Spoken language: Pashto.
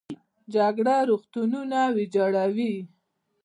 جګړه روغتونونه ویجاړوي